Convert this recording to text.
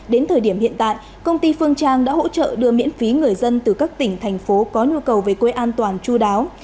đến thời điểm hiện tại công ty phương trang đã hỗ trợ đưa miễn phí người dân từ các tỉnh thành phố có nhu cầu về quê an toàn chú đáo